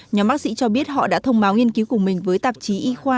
nhóm bác sĩ cho biết họ đã thông báo nghiên cứu của mình với tạp chí y khoa